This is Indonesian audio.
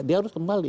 dia harus kembali